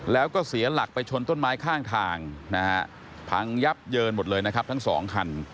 แล้วก็เสียหลักไปชนต้นไม้ข้างทางนะฮะพังยับเยินหมดเลยนะครับทั้งสองคัน